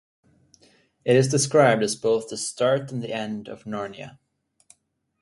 It is described as both the start and end of Narnia.